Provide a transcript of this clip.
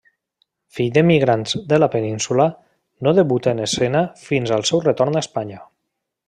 Fill d'emigrants de la península, no debuta en escena fins al seu retorn a Espanya.